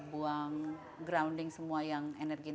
buang grounding semua yang energi